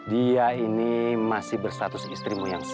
dia ini masih berstatus istrimu yang sama